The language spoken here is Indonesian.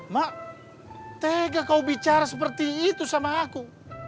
mak tega kau bicara seperti itu sama aku